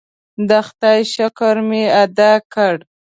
د خدای شکر مې ادا کړ.